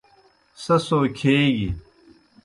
سہ سو کھیگیْ۔